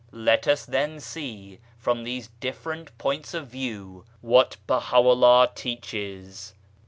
Let us then see from these dif ferent points of view what Baha'u'llah teaches.